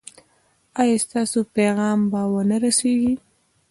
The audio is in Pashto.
ایا ستاسو پیغام به و نه رسیږي؟